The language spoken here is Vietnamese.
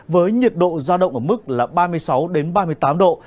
với nhiệt độ giao động ở mức là ba mươi sáu ba mươi tám độ